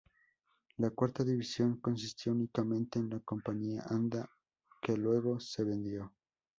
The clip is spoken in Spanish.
La cuarta división consistió únicamente en la compañía Anda, que luego se vendió.